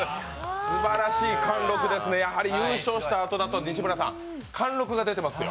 すばらしい貫禄ですね、やはり優勝したあとだと貫禄が出てますよ。